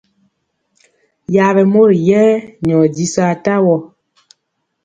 Yaɓɛ mori yɛ nyɔ jisɔ atawɔ.